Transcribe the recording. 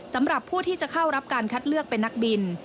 สำหรับผู้ที่จะเข้ารับการคัดเลือกเป็นนักบิน